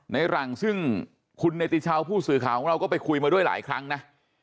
ในหลังซึ่งคุณเนติชาวผู้สื่อข่าวของเราก็ไปคุยมาด้วยหลายครั้งนะ